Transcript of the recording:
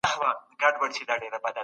قاضیانو عادلانه پریکړي کولې.